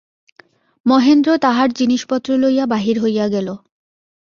মহেন্দ্র তাহার জিনিসপত্র লইয়া বাহির হইয়া গেল।